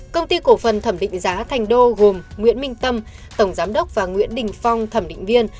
công ty cổ phần thẩm định giá thành đô gồm nguyễn minh tâm tổng giám đốc và nguyễn đình phong thẩm định viên